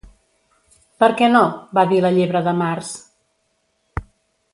"Per què no?", va dir la Llebre de Març.